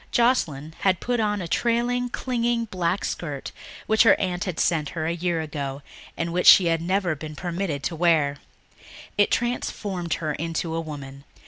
Joscelyn had put on a trailing, clinging black skirt which her aunt had sent her a year ago and which she had never been permitted to wear. It transformed her into a woman.